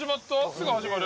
すぐ始まる？